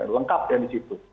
lengkap ya di situ